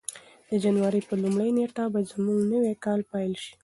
د جنوري په لومړۍ نېټه به زموږ نوی کال پیل شي.